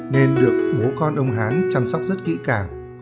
nên được bố con ông hán chăm sóc rất kỹ cả